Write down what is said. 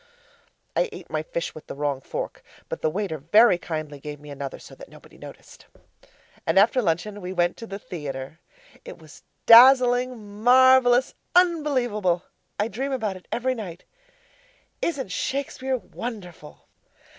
I ate my fish with the wrong fork, but the waiter very kindly gave me another so that nobody noticed. And after luncheon we went to the theatre it was dazzling, marvellous, unbelievable I dream about it every night. Isn't Shakespeare wonderful?